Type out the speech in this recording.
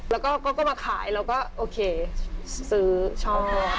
แล้วก็มาขายเราก็โอเคซื้อชอบ